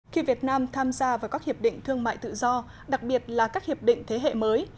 khi việt nam tham gia vào các hiệp định thương mại tự do đặc biệt là các hiệp định thế hệ mới